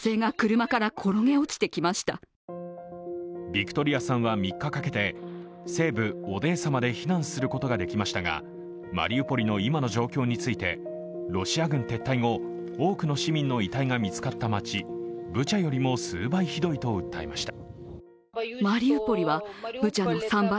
ビクトリアさんは３日かけて西部オデーサまで避難することができましたがマリウポリの今の状況について、ロシア軍撤退後多くの市民の遺体が見つかった街ブチャよりも数倍ひどいと訴えました。